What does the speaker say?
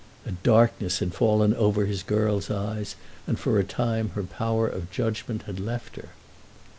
A darkness had fallen over his girl's eyes, and for a time her power of judgment had left her.